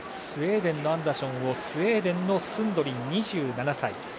スウェーデンのアンダーションを追うスウェーデンのスンドリン、２７歳。